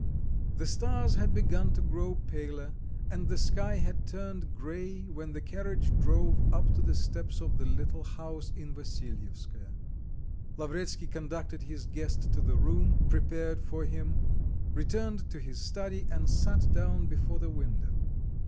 The stars had begun to grow paler and the sky had turned grey when the carriage drove up to the steps of the little house in Vassilyevskoe. Lavretsky conducted his guest to the room prepared for him, returned to his study and sat down before the window.